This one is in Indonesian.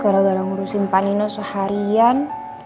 gara gara ngurusin panino seharian